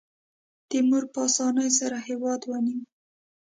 تیمور په اسانۍ سره هېواد ونیو.